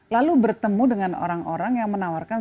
lalu bertemu dengan orang orang yang menawarkan